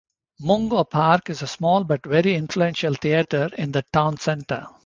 Mungo Park is a small but very influential theatre, in the town centre.